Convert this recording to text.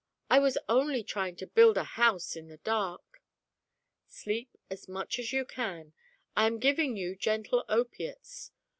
I was only trying to build a house in the dark." "Sleep as much as you can. I am giving you gentle opiates.